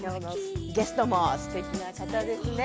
ゲストもすてきな方ですね。